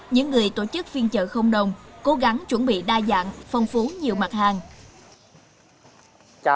những người tổ chức phiên chợ không đồng cố gắng chuẩn bị đa dạng phong phú nhiều mặt hàng